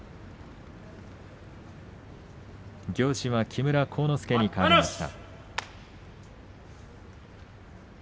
行司は木村晃之助にかわりました。